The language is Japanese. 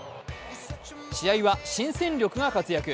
試合は、新戦力が活躍。